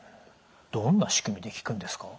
どんな仕組みで効くんですか？